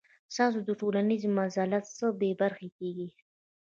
تاسو د ټولنیز منزلت څخه بې برخې کیږئ.